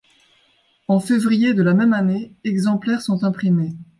En février de la même année, exemplaires sont imprimés.